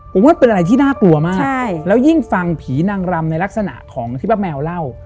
ผมว่าเป็นอะไรที่น่ากลัวมากแล้วยิ่งฟังผีนางรำในลักษณะของที่ป้าแมวเล่า